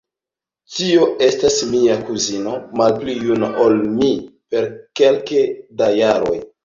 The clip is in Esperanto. Tio estas mia kuzino, malpli juna ol mi per kelke da jaroj.